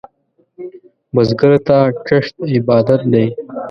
بزګر ته کښت عبادت دی